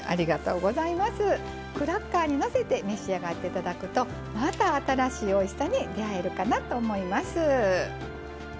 クラッカーにのせて召し上がっていただくとまた新しいおいしさに出会えるかなと思います。